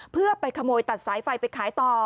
เพื่อไปขโมยตัดสายไฟไปขายต่อ